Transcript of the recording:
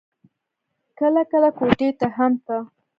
کله کله کوټې ته هم ته.